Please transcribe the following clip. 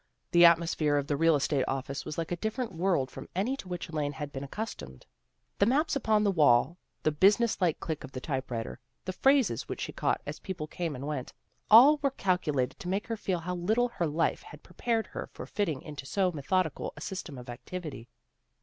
The atmos phere of the real estate office was like a different world from any to which Elaine had been accus ELAINE UPSETS TRADITION 281 tomed. The maps upon the wall, the business like click of the typewriter, the phrases which she caught as people came and went, all were calculated to make her feel how little her life had prepared her for fitting into so methodical a system of activity.